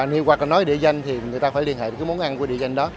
hoặc là nói địa danh thì người ta phải liên hệ đến cái món ăn của địa danh đó